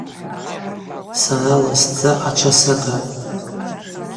Сара ласдза ачва сагатӏ.